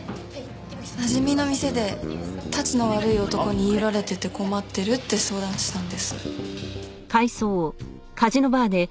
なじみの店でたちの悪い男に言い寄られてて困ってるって相談したんです。